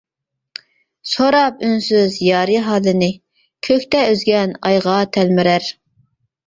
سوراپ ئۈنسىز يارى ھالىنى، كۆكتە ئۈزگەن ئايغا تەلمۈرەر.